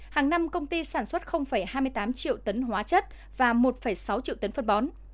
hàng năm công ty sản xuất hai mươi tám triệu tấn hóa chất và một sáu triệu tấn phân bó